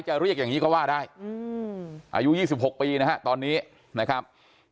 เรียกอย่างนี้ก็ว่าได้อายุ๒๖ปีนะฮะตอนนี้นะครับ